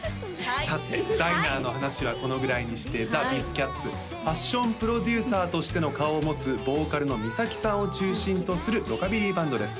さてダイナーの話はこのぐらいにしてＴｈｅＢｉｓｃａｔｓファッションプロデューサーとしての顔を持つボーカルのＭｉｓａｋｉさんを中心とするロカビリーバンドです